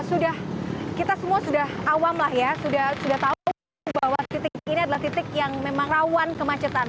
sudah kita semua sudah awam lah ya sudah tahu bahwa titik ini adalah titik yang memang rawan kemacetan